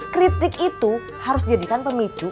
kritik itu harus dijadikan pemicu